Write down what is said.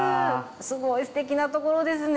すごいすてきなところですね。